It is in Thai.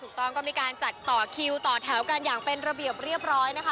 ต้องมีการจัดต่อคิวต่อแถวกันอย่างเป็นระเบียบเรียบร้อยนะคะ